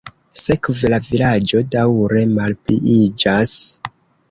Sekve la vilaĝo daŭre malpliiĝas.